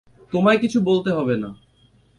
তোমায় কিছু বলতে হবে না।